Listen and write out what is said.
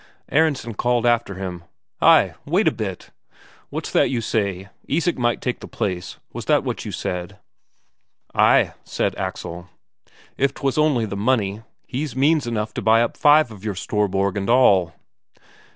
Aronsen called after him: "Hi, wait a bit! What's that you say Isak might take the place, was that what you said?" "Ay," said Axel, "if 'twas only the money. He's means enough to buy up five of your Storborg and all!"